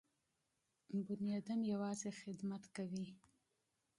انسان یوازې خدمت کوي.